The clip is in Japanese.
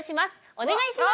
お願いします。